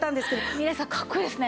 みれさんかっこいいですね！